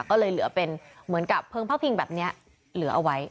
ก็เลยเหลือเป็นเหมือนกับเพลิงพระพิงแบบนี้เหลือเอาไว้